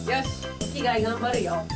おきがえがんばるよ。